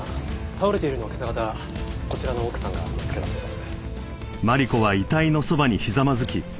倒れているのを今朝方こちらの奥さんが見つけたそうです。